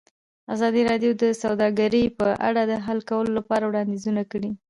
ازادي راډیو د سوداګري په اړه د حل کولو لپاره وړاندیزونه کړي.